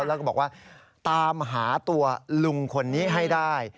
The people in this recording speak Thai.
แล้วก็บอกว่าตามหาตัวลุงคนนี้ให้ได้